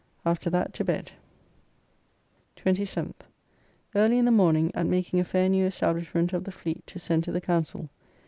After that to bed. 27th. Early in the morning at making a fair new establishment of the Fleet to send to the Council.